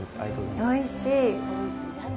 おいしい。